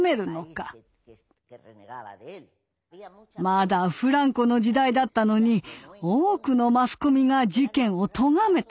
まだフランコの時代だったのに多くのマスコミが事件をとがめてくれた。